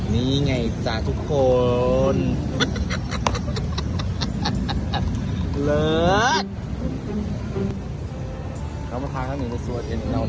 นี่ไงท์ทุกคน